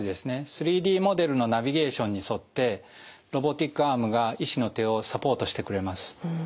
３Ｄモデルのナビゲーションに沿ってロボティックアームが医師の手をサポートしてくれます。